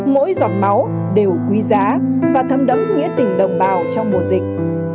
mỗi giọt máu đều quý giá và thâm đấm nghĩa tình đồng bào trong mùa dịch